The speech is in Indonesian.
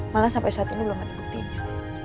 malah sampai saat ini belum ada buktinya